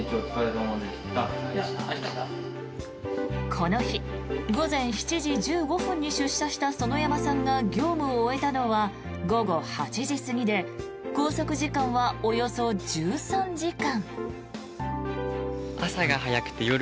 この日、午前７時１５分に出社した園山さんが業務を終えたのは午後８時過ぎで拘束時間はおよそ１３時間。